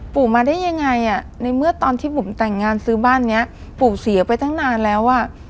ปู่มาได้ยังไงในเมื่อตอนที่ผมแต่งงานซื้อบ้านนี้ปู่เสียไปตั้งนานแล้ว